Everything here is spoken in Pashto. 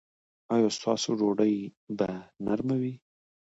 ایا ستاسو ډوډۍ به نرمه وي؟